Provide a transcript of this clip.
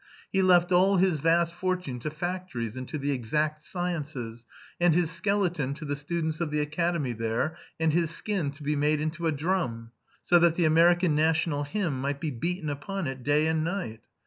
He left all his vast fortune to factories and to the exact sciences, and his skeleton to the students of the academy there, and his skin to be made into a drum, so that the American national hymn might be beaten upon it day and night.